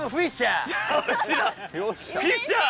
フィッシャー！